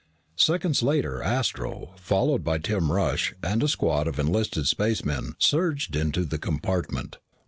Seconds later, Astro, followed by Tim Rush and a squad of enlisted spacemen, surged into the compartment.